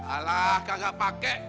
alah kagak pake